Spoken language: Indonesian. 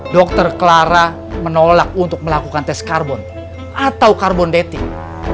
dokter clara menolak untuk melakukan tes karbon atau carbondeting